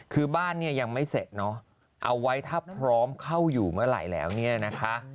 คือบ้านเนี่ยยังไม่เสร็จเนาะเอาไว้ถ้าพร้อมเข้าอยู่เมื่อไหร่แล้วเนี่ยนะคะ